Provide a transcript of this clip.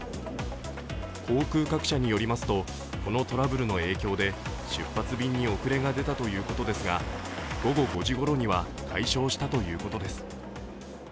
航空各社によりますとこのトラブルの影響で出発便に遅れが出たということですが、午後５時ごろには解消したということです。